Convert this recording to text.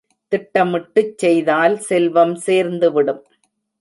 திட்டமிட்டுச் செய்தால் செல்வம் சேர்ந்துவிடும்.